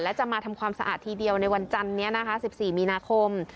และจะมาทำความสะอาดทีเดียวในวันจันนี้นะคะ๑๔มีนาคม